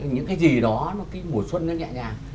những cái gì đó cái mùa xuân nó nhẹ nhàng